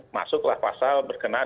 masuklah pasal berkenaan